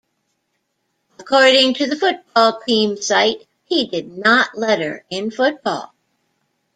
According to the football team site, he did not letter in football.